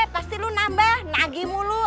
pasti lu nambah nagi mulu